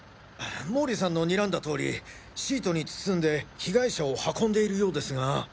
毛利さんのにらんだ通りシートに包んで被害者を運んでいるようですが。